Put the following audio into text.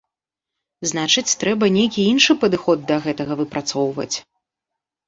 Значыць трэба нейкі іншы падыход да гэтага выпрацоўваць.